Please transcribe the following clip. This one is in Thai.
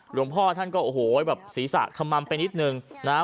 หลวงพ่อท่านก็โอ้โหแบบศีรษะขมัมไปนิดนึงนะฮะ